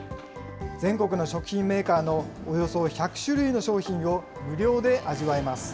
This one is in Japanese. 全国の食品メーカーのおよそ１００種類の商品を無料で味わえます。